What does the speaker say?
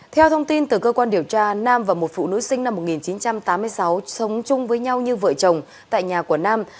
theo thông tin từ cơ quan điều tra nam và một phụ nữ sinh năm một nghìn chín trăm tám mươi sáu sống chung với nhau như vợ chồng tại nhà của nam